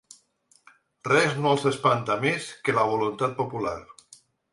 Res no els espanta més que la voluntat popular.